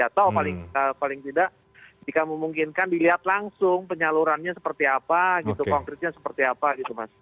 atau paling tidak jika memungkinkan dilihat langsung penyalurannya seperti apa gitu konkretnya seperti apa gitu mas